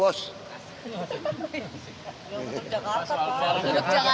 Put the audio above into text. untuk jakarta pak